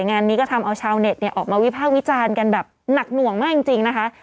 งานนี้ก็ทำเอาชาวเน็ตออกมาวิภาควิจารณ์กันแบบหนักหน่วงมากจริงนะคะ